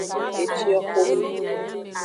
Efioxome.